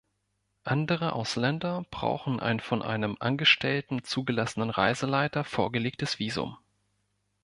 Andere Ausländer brauchen ein von einem angestellten, zugelassenen Reiseleiter vorgelegtes Visum.